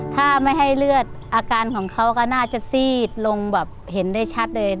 ถ้าไม่ให้เลือดอาการของเขาก็น่าจะซีดลงแบบเห็นได้ชัดเลย